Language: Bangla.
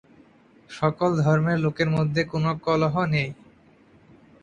সকল ধর্মের লোকের মধ্যে কোন কলহ নেই।